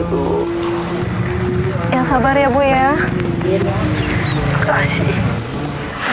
terima kasih ibu